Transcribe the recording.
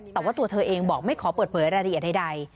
แต่ว่าตัวเธอเองบอกไม่ขอเปิดเผยรายละเอียดใด